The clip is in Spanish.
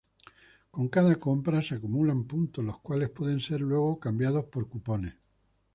Con cada compra se acumulan puntos, los cuales pueden ser luego cambiados por cupones.